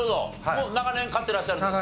もう長年飼ってらっしゃるんですか？